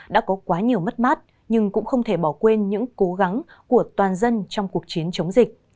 đã có quá nhiều mất mát nhưng cũng không thể bỏ quên những cố gắng của toàn dân trong cuộc chiến chống dịch